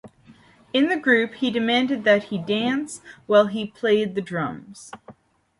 In the group, he demanded that he dance while he played the drum.